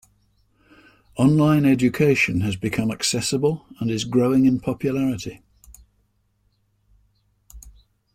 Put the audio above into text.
Online Education has become accessible and is growing in popularity.